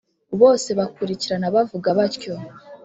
bose bakurikirana bavuga batyo,